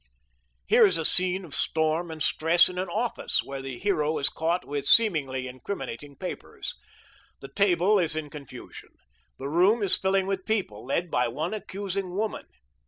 Here is a scene of storm and stress in an office where the hero is caught with seemingly incriminating papers. The table is in confusion. The room is filling with people, led by one accusing woman.